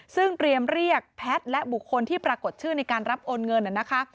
ซึ่งเตรียมเรียกแพทย์และบุคคลที่ปรากฏชื่อในการรับโอนเงินนะคะ